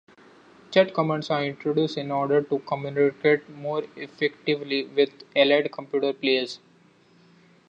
Chat commands are introduced, in order to communicate more effectively with allied computer players.